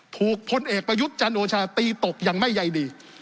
พลเอกประยุทธ์จันโอชาตีตกยังไม่ใยดี